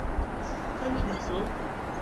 Amek meḥsub?